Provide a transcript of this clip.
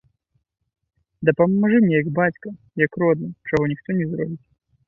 Дапамажы мне, як бацька, як родны, чаго ніхто не зробіць.